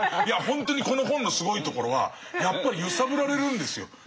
いやほんとにこの本のすごいところはやっぱり揺さぶられるんですよ。